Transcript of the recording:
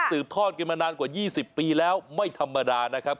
ทอดกันมานานกว่า๒๐ปีแล้วไม่ธรรมดานะครับ